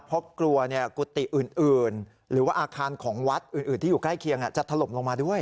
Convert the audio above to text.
เพราะกลัวกุฏิอื่นหรือว่าอาคารของวัดอื่นที่อยู่ใกล้เคียงจะถล่มลงมาด้วย